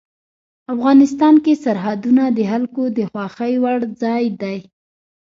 افغانستان کې سرحدونه د خلکو د خوښې وړ ځای دی.